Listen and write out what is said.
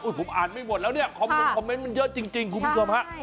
ผมอ่านไม่หมดแล้วเนี่ยคอมมงคอมเมนต์มันเยอะจริงคุณผู้ชมฮะ